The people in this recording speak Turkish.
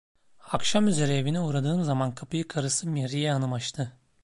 Akşamüzeri evine uğradığım zaman kapıyı karısı Mihriye hanım açtı.